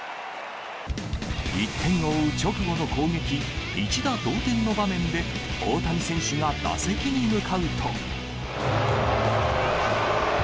１点を追う直後の攻撃、一打同点の場面で、大谷選手が打席に向かうと。